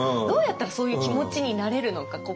どうやったらそういう気持ちになれるのか。